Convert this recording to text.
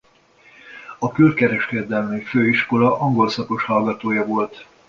A Külkereskedelmi Főiskola angol szakos hallgatója volt.